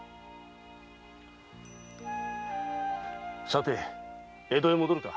さて江戸へ戻るか。